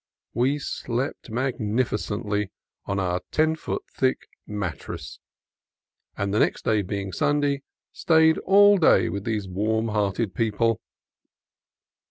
We slept magnificently on our ten foot thick mat tress, and, the next day being Sunday, stayed all day with these warm hearted people.